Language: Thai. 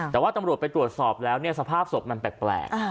แต่ว่าตำรวจไปตรวจสอบแล้วสภาพศพมันแปลก